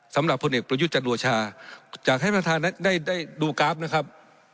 สำหรับพลเอกประยุทธ์จันโอชาอยากให้ประธานได้ดูกราฟนะครับ